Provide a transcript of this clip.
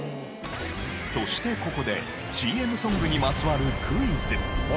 そしてここでＣＭソングにまつわるクイズ。